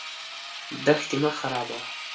دښتې مه خرابوه.